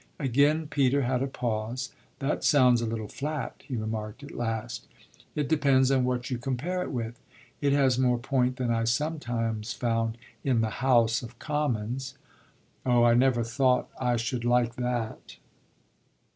Again Peter had a pause. "That sounds a little flat," he remarked at last. "It depends on what you compare it with. It has more point than I sometimes found in the House of Commons." "Oh I never thought I should like that!"